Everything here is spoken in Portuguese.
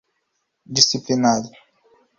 disciplinando